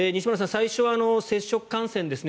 最初は接触感染ですね